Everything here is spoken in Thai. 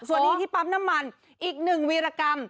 ส่วนนี้ที่ปั๊มน้ำมันอีกหนึ่งวีรกรรม